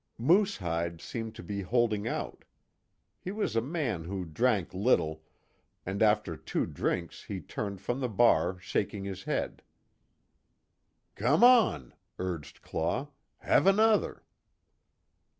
Moosehide seemed to be holding out. He was a man who drank little, and after two drinks he turned from the bar shaking his head. "Come on," urged Claw, "Have another."